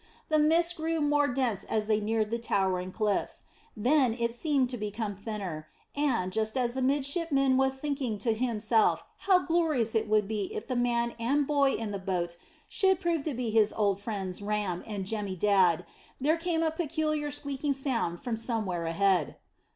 The mist grew more dense as they neared the towering cliffs. Then it seemed to become thinner, and, just as the midshipman was thinking to himself how glorious it would be if the man and boy in the boat should prove to be his old friends Ram and Jemmy Dadd, there came a peculiar squeaking sound from somewhere ahead.